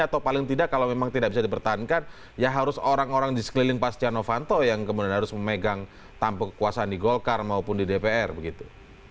atau paling tidak kalau memang tidak bisa dipertahankan ya harus orang orang di sekeliling pak setia novanto yang kemudian harus memegang tampuk kekuasaan di golkar maupun di dpr begitu